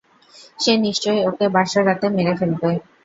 সে নিশ্চয়ই ওকে বাসর রাতে মেরে ফেলবে।